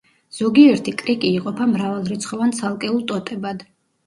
ზოგიერთი კრიკი იყოფა მრავალრიცხოვან ცალკეულ ტოტებად.